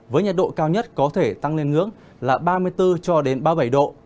với nhiệt độ cao nhất có thể tăng lên ngưỡng là ba mươi bốn cho đến ba mươi bảy độ